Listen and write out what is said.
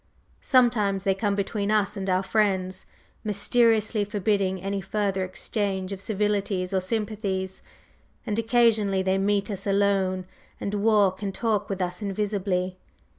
Sometimes they come between us and our friends, mysteriously forbidding any further exchange of civilities or sympathies, and occasionally they meet us alone and walk and talk with us invisibly.